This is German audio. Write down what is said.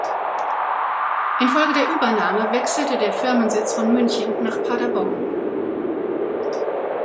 Infolge der Übernahme wechselte der Firmensitz von München nach Paderborn.